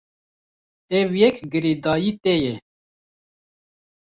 Ev yek girêdayî te ye.